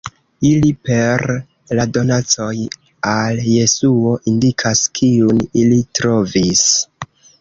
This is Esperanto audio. Ili per la donacoj al Jesuo indikas Kiun ili trovis.